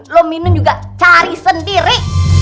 lo minum juga cari sendiri